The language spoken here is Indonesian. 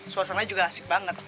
suasanya juga asik banget